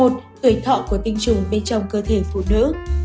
một người thọ của tinh trùng bên trong cơ thể phụ nữ